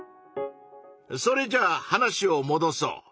それじゃあ話をもどそう。